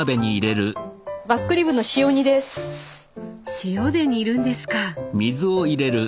塩で煮るんですか。